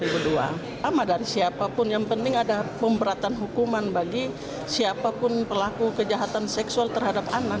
pertama dari siapapun yang penting ada pemberatan hukuman bagi siapapun pelaku kejahatan seksual terhadap anak